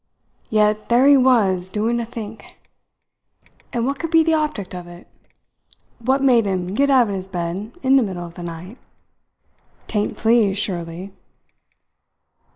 "Yet there he was doing a think. And what could be the object of it? What made him get out of his bed in the middle of the night. 'Tain't fleas, surely."